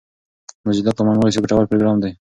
موزیلا کامن وایس یو ګټور پروګرام دی.